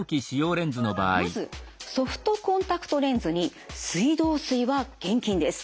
まずソフトコンタクトレンズに水道水は厳禁です。